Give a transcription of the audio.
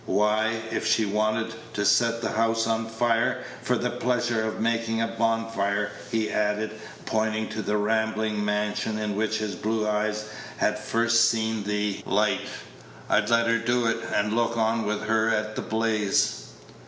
Why, if she wanted to set that house on fire, for the pleasure of making a bonfire," he added, pointing to the rambling mansion in which his blue eyes had first seen the light, "I'd let her do it, and look on with her at the blaze."